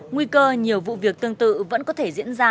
nguy cơ nhiều vụ việc tương tự vẫn có thể diễn ra